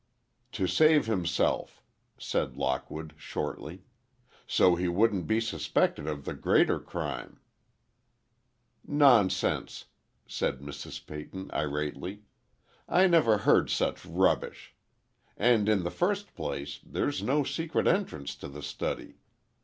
"To save himself," said Lockwood, shortly. "So he wouldn't be suspected of the greater crime." "Nonsense!" said Mrs. Peyton, irately; "I never heard such rubbish! And, in the first place, there's no secret entrance to the study.